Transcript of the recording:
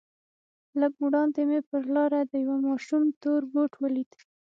لږ وړاندې مې پر لاره د يوه ماشوم تور بوټ ولېد.